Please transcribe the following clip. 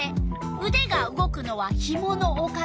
「うでが動くのはひものおかげ」。